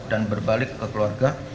dan berbalik ke keluarga